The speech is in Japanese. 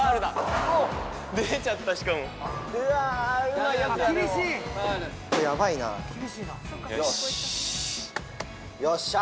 出ちゃったしかもよしよっしゃ！